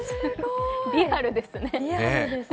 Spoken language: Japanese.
リアルですね。